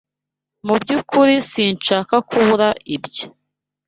Mu byukuri sinshaka kubura ibyo.